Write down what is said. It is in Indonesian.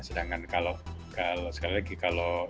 sedangkan kalau sekali lagi kalau